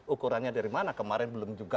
ukurannya dari mana kemarin belum juga